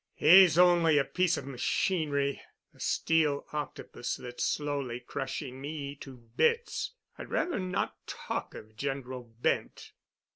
He's only a piece of machinery—a steel octopus that's slowly crushing me to bits. I'd rather not talk of General Bent."